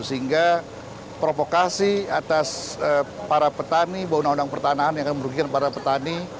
sehingga provokasi atas para petani bahwa undang undang pertanahan yang akan merugikan para petani